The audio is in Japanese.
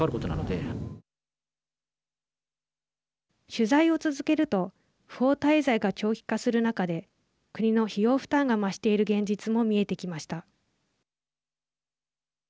取材を続けると不法滞在が長期化する中で国の費用負担が増している現実も見えてきました。